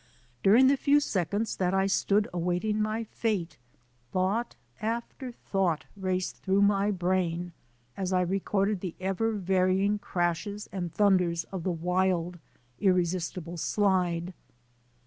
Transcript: During the few seconds that I stood awaiting my fate, thought after thought raced through my brain as I recorded the ever varying crashes and thunders of the wild, irresisti ble slide.